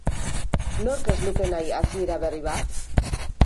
Nork ez luke nahi hasiera berri bat?